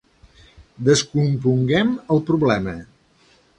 Descomponguem el problema.